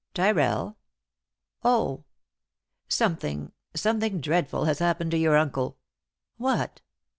"Tyrrell? Oh? — something — something dreadful has happened to your uncle." "What?"